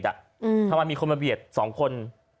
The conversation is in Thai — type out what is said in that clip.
ทำไมมีคนมาเบียด๒คน